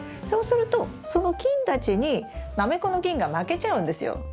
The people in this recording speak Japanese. そうするとその菌たちにナメコの菌が負けちゃうんですよ。